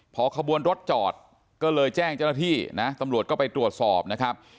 พอขบวนรถจอดก็เลยแจ้งเจ้าหน้าที่นะตำรวจก็ไปตรวจสอบนะครับ